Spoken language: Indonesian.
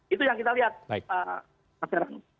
itu yang kita lihat pak serhanu